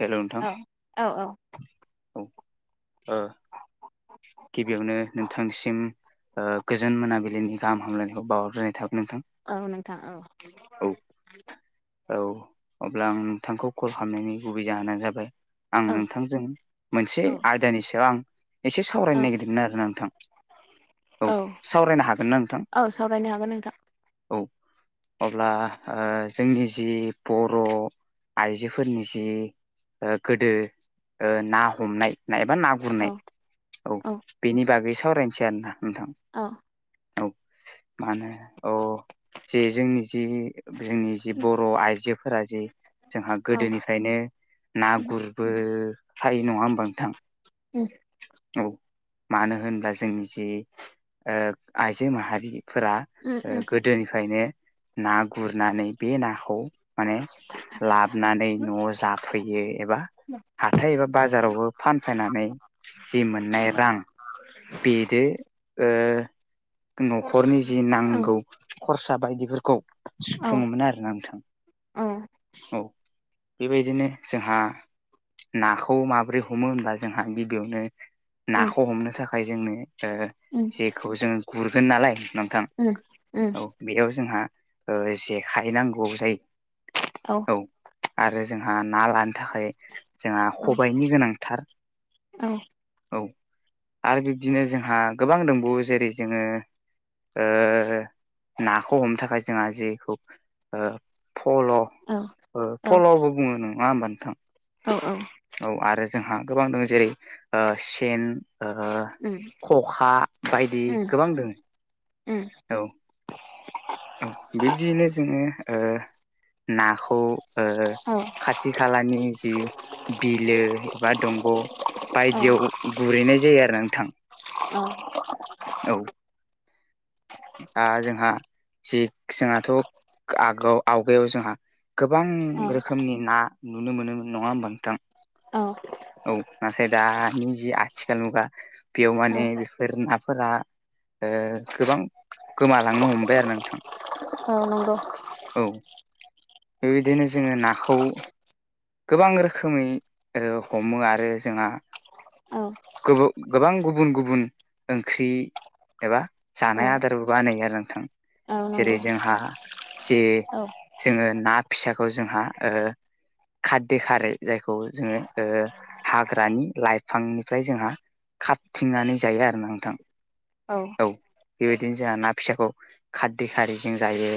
हेल' नोंथां औ औ औ औ ओ गिबियावनो नोंथांसिम ओ गोजोन मोनाबिलिनि गाहाम हामलायनायखौ बावहरग्रोनाय थाबाय नोंथां औ नोंथां औ औ औ अब्ला आं नोंथांखौ कल खालामनायनि गुबै जाहोनानो जाबाय आं औ नोंथांजों मोनसे औ आयदानि सायाव आं एसे औ सावरायनो नागिरदोंमोन आरोना नोंथां। औ सावरायनो हागोन ना नोंथां औ सावरायनो हागोन नोंथां औ अब्ला ओ जोंनि जि बर' आइजोफोरनि जि गोदो ना हमनाय एबा ना औ गुरनाय औ बेनि बागै सावरायनोसै आरोना नोंथां औ औ मा होनो अ जे जोंनि जि जोंनि जि बर' आइजोफोरा जि जोंहा औ गोदोनिफ्रायनो ना गुरबो हाय नङा होमबा नोंथां? उम औ मानो होनोब्ला जोंनि जे ओ आइजो माहारिफोरा ओ उम गोदोनिफ्रायनो ना गुरनानै बे नाखौ माने लाबनानै न'आव जा फैयो एबा हाथाय एबा बाजारावबो फानफैनानै जि मोननाय रां बेदो‌ ओ न'खरनि जि उम नांगौ खरसा बायदिफोरखौ‌ औ सुफुङोमोन आरोना नोंथां औ औ। बेबायदिनो जोंहा नाखौ माबोरै हमो होनब्ला जोंहा गिबियावनो उम नाखौ हमनो थाखाय जोंनो ओ उम जेखौ जोङो गुरगोन नालाय नोंथां उम उम। औ बेयाव जोंहा ओ जेखाइ नांगौआव जायो औ। आरो जोंहा ना लानो थाखाय जोंहा खबायाइनि गोनांथार। औ। औ आरो बिब्दिनो जोंहा गोबां दंबावो जेरै जोङो ओ नाखौ हम थाखाय जोंहा जेखौ ओ फल' ओ औ औ फल'बो बुङो नङा होमबा नोंथां? औ औ। औ आरो जोंहा गोबां दं जेरै ओ सेन उम औ ओ खखा बायदि गोबां दोङो उम। औ। औ बिब्दियैनो जोङो ओ नाखौ ओ खा थि खालानि जि बिलो एबा दंग' बायदियाव गुरैनाय जायो आरो ना नोंथां। [unintelligible] औ। दा जोंहा जि जोंहाथ' आगोआव आवगायाव जोंहा गोबां औ रोखोमनि ना नुनो मोनोमोन नङा होनबा नोंथां? औ औ नाथाय दा जि‌ आथिखाल मुगा बेयाव माने बेफोर नाफोरा ओ गोबां गोमालांनो हमबाय आरो नोंथां नंगौ औ। बेबायदिनो जोङो नाखौ गोबां रोखोमै हमो आरो जोंहा। औ गुबु गोहबां गुबुन गुबुन ओंख्रि एबा जानाय आदारबो बानाययो आरो नोंथां। औ जेरै नंगौ जोंहा जे औ जोङो ना फिसाखौ जोंहा ओ खारदै खारै जायखौ जोङो ओ हाग्रानि लाइफांनिफ्राय जोंहा खाबथिंनानै जायो आरो ना नोंथां। औ बेबायदिनो जोहा ना फिसाखौ खारदै खारि जों जायो।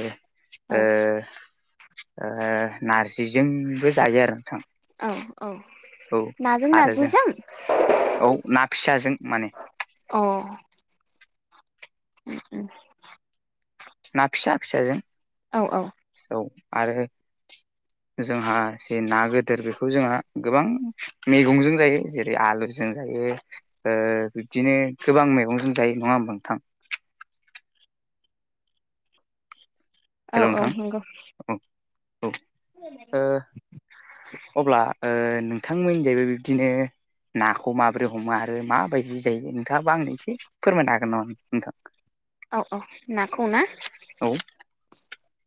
औ ओ। ओ नारजिजोंबो जायो आरो नोंथां। औ औ। औ नाजों आरो जों, नारजिजों औ ना फिसाजों माने। अह ना फिसा फिसाजों औ औ औ आरो जोंहा जे ना गदोर बेखौ जोंहा गोबां मैगंजों जायो जेरै आलुजों जायो ओ बिब्दिनो गोबां मैगंजों जायो नङा होमबा नोंथां? औ हेल' औ नोंथां नंगौ औ औ ओ अब्ला ओ नोंथांमोननिजायबो बिब्दिनो नाखौ माबोरै हमो आरो माबायदि जायो नोंथाङाबा आंनो एसे फोरमायनो हागोन नामा नोंथां। औ औ नाखौ ना? औ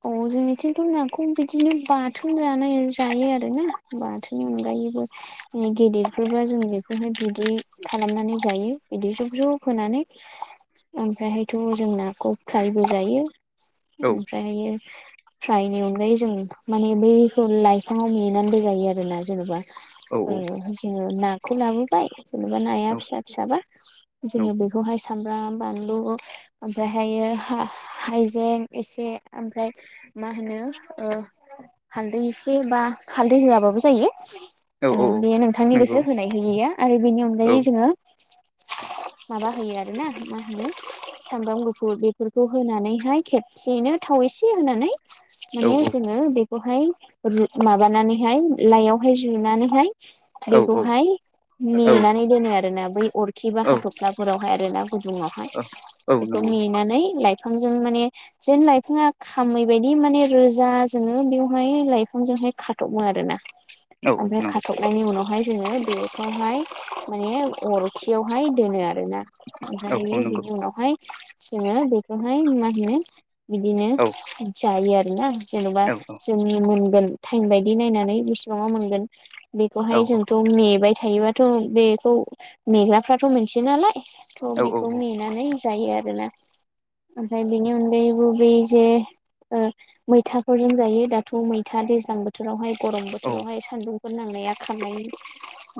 अ जोंनिथिन्थ' नाखौ बिदिनो बाथोन जानाय जायो आरोना बाथोननि अनगायैबो गेदेरफोरबा जों बेखौहाय बिदै खालामनानै जायो बिदै जब ज्रब होनानै। [inaudible] ओमफ्रायहायथ' जों नाखौ फ्रायबो जायो औ ओमफ्राय फ्रायनि अनगायै जों माने बेखौ लाइफाङाव नेनानैबो जायो आरोना जेन'बा औ जोङो नाखौ लाबोबाय जेनेबा औ नाया फिसा फिसाबा औ जोङो बेखौहाय सामब्राम बानलु ओमफ्रायहायो हा-हाइजें एसे ओमफाय मा होनो हालदै एसे बा हालदै होआबाबो जायो औ ओ औ बे आंनि नंगौ गोसो होनाय होयैयो आरो बेनि औ अनगायै जोङो माबा होयो आरोना मा होनो सामब्राम गुफुर बेफोरखौ होनानैहाय खेबसेयैनो थाव एसे होनानै औ माने औ जोङो बेखौहाय माबानानैहाय लाइयावहाय जुनानैहाय औ बेखौहाय मेनानै दोनो आरो ना बै अरखि बा औ हाथफ्लाफोरावहाय आरो ना गुदुङावहाय औ औ एखौ नंगौ मेनानै लइफांजों माने जिन बिफाङा खामै बायदि माने रोजा जोङो बेवहाय लाइफांजोंहाय खाथ'बो आरोना। औ औ ओमफ्राय नंगौ खाथबनायनि उनावहाय जोङो बेखौहाय माने अर खाथियावहाय दोनो आरोना औ औ ओमफायो नंगौ बिनि उनावहाय जोङो बेखौहाय मा होनो बिदिनो औ जायो आरोना जेन'बा औ जोंनि मोनगोन टाइम बायदि नायनानै बेसेबांङाव मोनगोन औ बेखौहाय जोंथ' नेेबाय थायोबाथ' बेखौ मेग्राफ्राथ' मोनसे नालाय थ' औ बेखौ मेनानै जायो आरोना ओमफ्राय बेनि अनगायैबो बे जे ओ मैथाफोरजों जायो दाथ' मैथा दैज्लां बोथोरावहाय गरम औ बोथोरावहाय सान्दुं [unintelligible] ग नांनाया खांनायनि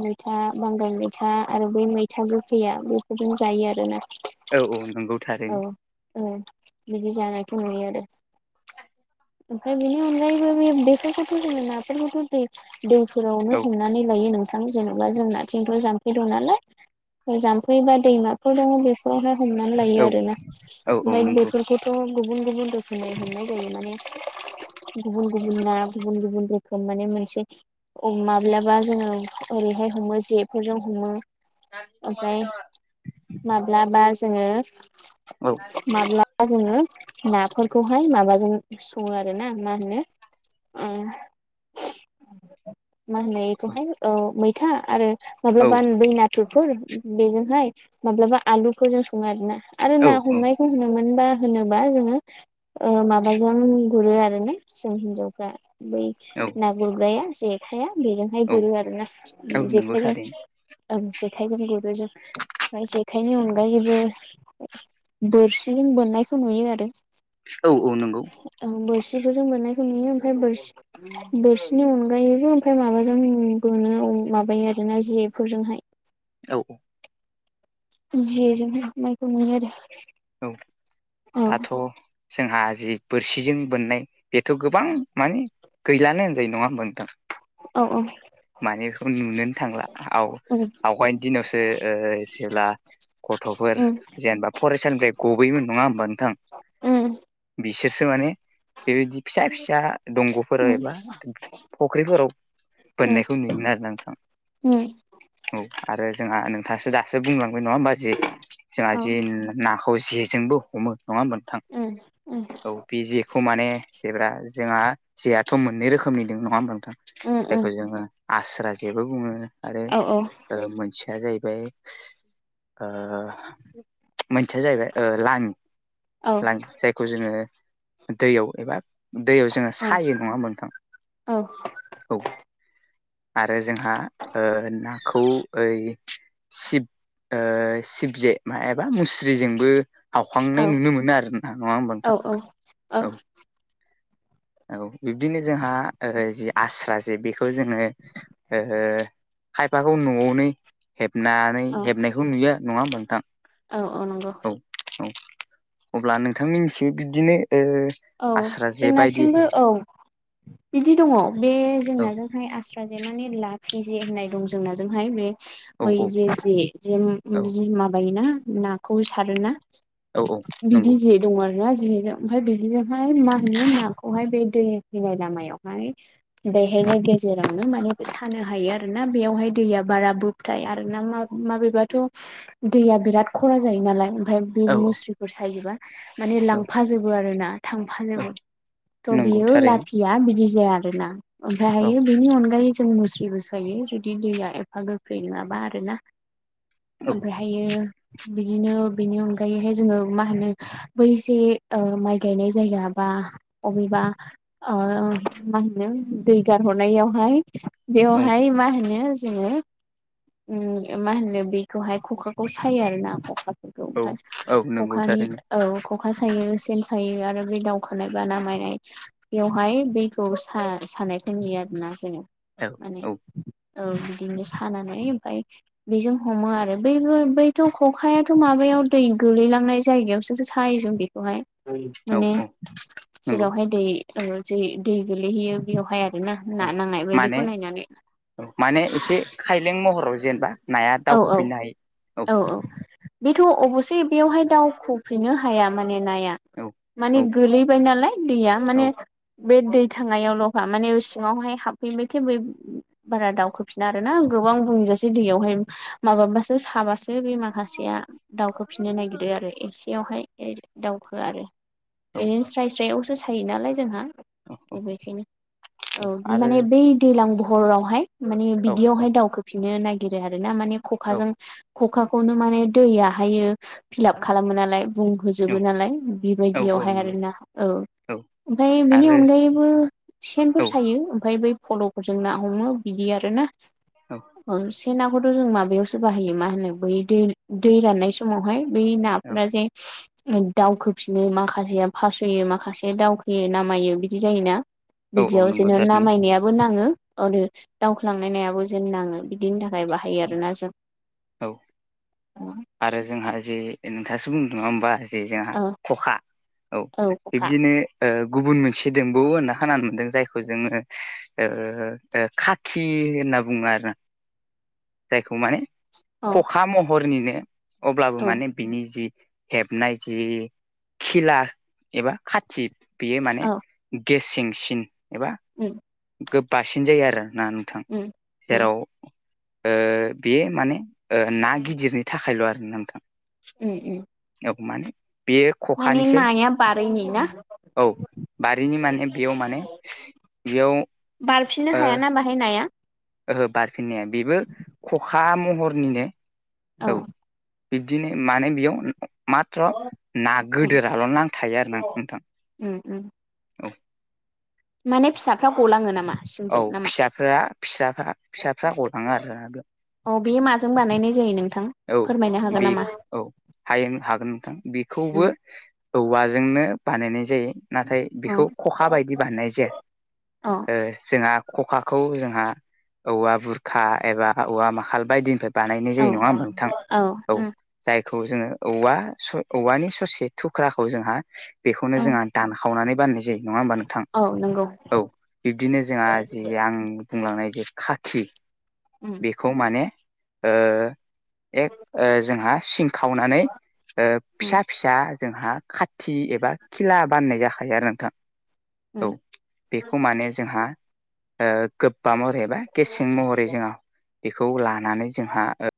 मैथा बांगाल मैथा आरो बै मैथा गोखैया बेफोरजोंनो जायो आरोना। औ -औ नंगौ औ थारैनो‌ औ बिदि जानायखौ नुयो आरो। ओमफाय बिनि अनगायैबो बे खोथा ना फोरखौथ' दै दैफोरावनो औ हमनानै लायो नोंथां जेनेबा जोंना थिंथ' जाम्फै दं नालाय जाम्फैबा दैमा दङ बेफोरावहाय हमनानै लायो औ आरो ना औ औ ओमफाय नंगौ बेफोरखौथ' गुबुन गुबुन मोननाय जायो माने गुबुन गुबुना गुबुन गुबुन रोखोम माने मोनसे माब्लाबा जोङो ओरैहाय हमो जेफोरजों हमो ओमफाय माब्लाबा जोङो औ माब्ला आ जोङो नाफोरखौहाय माबाजों सङो आरो ना मा होनो ओम मा होनो बेखौहाय औ मैथा आरो औ माब्लाबा बै ना गथुरफोर बेजोंहाय माब्लाबा आलुफोरजों सङो आरो ना आरो औ ना हमनाय होनोमोन बा होनोम बा जोङो ओ माबाजों गुरो आरो ना जों हिनजावफ्रा बै ना गुरग्राया जेखाइाया बेजोंहाय गुरो आरो ना नंगौ जेखाइजों। थारैनो ओं जेखाइ गुरो जों ओमफ्राय जेखाइनि अनगायैबो बोरसिजों बोननायखौ नुयो आरो। औ -औ नंगौ। औ बोरसिफोरजों बोननायखौ नुयो ओमफ्राय बोरसि बोरसिनि अनगायैजों ओमफ्राय माबाजों बोनो माबायो आरोना जेफोरजोंहाय औ। ज ज मखौ मै द [unintelligible] औ दाथ' जोंहा जि बोरसिजों बोननाय बेथ' गोबां माने गैलानो होनजायो नङा होनबा नोंथां। औ -औ। माने बेफोरखौ नुननोनो थांला। औ‌ उम आवगायनि दिनावसो ओ जेब्ला गथ'फोर उम जेनेबा फरायसा सोलोंथाइ गबोयोमोन नङा होनबा नोंथां। उम बिसोरसो माने बेबायदि फिसा फिसा दंग'फोराव एबा फख्रिफोराव उम बोननायखौ नुयोमोन आरोना नोंथां। उम औ आरो जोंहा नोंथाङासो दासो बुंलांबाय नङा होमबा जे जोंहा औ जे नाखौ जेजोंबो हमो नङा मोनथां उम उम औ बे जे बेखौ माने जेब्ला जोंहा जेयाथ' मोननै रोखोमनि दं नङा होनबा उम जायखौ उम जोङो आस्रा जेबो बुङो आरो औ ओ मोनसेया जाहैबाय ओ मोनसेया जाहैबाय ओ लाङ औ लाङि जायखौ जोङो दैयाव एबा दैयाव जोङो औ सायो नङा होनबा नोंथां औ औ। आरो जोंहा ओ नाखौ ओइ सिब ओ सिबजे एबा मुस्रिजोंबो औ हावखांनाय नुनो मोनो आरो ना नङा होमबा नोंथां। अओ औ औ बिब्दिनो जोंहा ओ जि आस्रा जे बेखौ जोङो ओ खायफाखौ न'आवनो हेबनानै औ हेबनायखौ नुयो नङा होम नोंथां। औ औ नंगौ। औ औ अब्ला नोंथांनि मिथियो बिदिनो ओ औ आस्रा जे जों बायदि नारसिंबो औ बिदि दङ बे औ जोंनाजोंहाय आस्र जे माने ला फि जे होननाय दं जोंनाजोंहाय बे औ बै औ जे जे औ जे माबायोना नाखौ सारोना औ औ नंगौ बिदि जे दङ आरो ना जोंनिजों ओमफ्राय बेजोंहाय मा होनो नाखौहाय बे दै फैनाय लामायावहाय [unintelligible] बेहायनो गेजेरावनो माने सानो हायो आरो ना बेयावहाय दैया बारा बो ओमफ्राय आरोना म माबेबाथ' दैया बिराद खरा जायो नालाय ओमफ्राय बे औ औ मुस्रिफोर सायोबा माने औ लांफाजोबो आरो ना। थांफा औ नांगोन थ' नंगौ बियो थारैनो लाखि या बिदि जाया आरो ना औ ओमफ्रायहायो बिनि अनगायै जों मुस्रिबो सायो जुदि दैया एफा गोख्रै नङाबा आरो ना। औ ओमफ्रायहायो। बिदिनो बेनि अनगायैहाय जोङो मा होनो बैसे ओ माइ गायनाय जायगा बा अबेबा। ओं मा होनो दै गारहरनायावहाय औ बेवहाय मा होनो जोङो मा होनो बेखौहाय खखाखौ सायो आरो ना खखा। औ ओमफ्राय औ नंगौ खखानि थारैनो औ खखा सायो सेन थायो आरो बे दावखानाय बा नामायनाय। बेवहाय दैखौ सानायखौ नुयो आरोना जोङो। औ। माने औ औ बिदिनो सानानै ओमफफ्राय बेजों हमो आरो बैबो बैथ' खखायाथ' माबायाव दै गोलैलांनाय जायगायावसो थायो जों बेखौहाय। औ माने औ नंगौ जेरावहाय दै दै गोलैहैयो बेयावहाय आरो। आरोना ना औ नांनाय माने बायदिखौ नायनानै। माने एसे खायलें महराव जेनेबा नाया औ औ दावखोफिननो हायो। औ औ बेथ' अब'से बेयावहाय दाउ खुब फैनो हाया माने नाया औ माने औ गोलैबाय नालाय दैया माने औ बे दै थांनायावल' माने सिङावहाय हाबफैबाथाय बै बारा दावउखोफिना आरो ना गोबां बुंजासै दैयावहाय माबासो साबासो बे मा माखासेया दाउखो फिननो नागिरो आरो एसेयावहाय दाउखो आरो। औ ए स्राय स्रायावसो सायो नालाय जोंहा। औ बेखायनो औ माने बै दैज्लां बहरावहाय। माने औ औ बिदियावहाय दावखोफिननो नागिरो आरो ना माने औ खखाजों खखाखौनो माने दैयाहाय फिलाप खालामो नालाय। औ बुंहोजोबो नालाय औ औ बेबायदियावहाय नंगौ आरोना ओं। औ ओमफ्राय बेनि आरो अनगायैबो सेनफोर औ सायो ओमफ्राय बै फलक। जों ना हमो बिदि आरो ना औ से ना नाखौथ' जों माबायावसो बाहायो मा होनो बै दै दै राननाय समावहाय बै औ नाफोरा जे दावखोफिनो माखासेया फास'यो माखासेया दावखोयो नामायो बिदि जायोना। औ औ बिदियाव नंगौ जेननो थारैनो नामायनायाबो नाङो आरो दावख्लांनाय नायाबो जेन नाङो बिदिनि थाखाय बाहायो औ आरोना जों। औ। आरो जोंहा जे नोंथाङासो बुंदों नङा होमबा? जे जोंहा औ खखा औ बिबदिनो ओ गुबुन मोनसे दोंबौवो होनना खानानै मोनदों जायखौ खौ जोङो ओ ओ खाखि होनना बुङो आरो ना। जायखौ माने औ खखा महरनिनो अब्लाबो औ माने बिनि जि हेबनाय जि खिला एबा खाथि बेयो माने गेस सेंसिन एबा उम्म। गो बासिन जायो आरो ना नोंथां। उम उम जेराव ओ बेयो माने ओ ना गिदिरनि थाखायल' आरो नोंथां। उम उम औ माने बे माने खखानिसै नाया बारैनि ना औ। बारिनि माने बेयाव माने बेयाव बारफिननो हायाना बाहाय नाया। ओहो बारफिननाया बेबो खखा महरनिनो औ। बिब्दिनो माने बेयाव माथ्र' ना गोदोराल' नां थायो आरो ना नोंथां। उम्म उम्म। औ माने फिसाफ्रा गलाङो नामा? औ सिंजों नामा फिसाफ्रा फिसाफ्रा फिसाफ्रा गलाङो आरोना। औ बेयो माजों बानायनाय जायो नोंथां? औ फोरमायनो हागोन बे नामा औ हायो हागोन नोंथां बेखौबो उम औवाजोंनो बानायनाय जायो नाथाय औ बेखौ खखा बायदि बानायनाय जाया। औ ओ जोंहा खखाखौ जोंहा औवा बुरखा एबा औवा माखाल बायदिनिफ्राय बानायनाय औ जायो नङा होमबा? नोंथां औ जायखौ जोङो औवा औवानि ससे थुख्राखौ जोंहा बेखौनो उम जोंहा दानखावनानै बाननाय जायो नङा होमबा थां औ नंगौ औ बिब्दिनो जोंहा जे आं बुंलांनाय जे खाखि उम्म। बेखौ माने ओ एक ओ जोंहा सिं खावनानै ओ उम फिसा फिसा जोंहा खाथि एबा खिला बानायनाय जाखायो आरो नोंथां। उम औ बेखौ माने जोंहा ओ गोबाङाव रेब बा गेसें महरै जोंहा बेखौ लानानै जोंहा